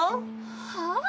はあ⁉